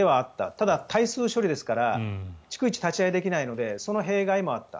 ただ、大数処理ですから逐一立ち会いできないのでその弊害もあった。